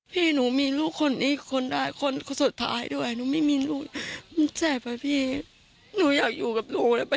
หนูอยากอยู่กับลูกเลยไปหาลูกละ